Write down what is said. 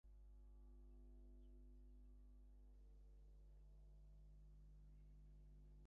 ওঁ তস্মিন অনন্যতা তদ্বিরোধিষু উদাসীনতা।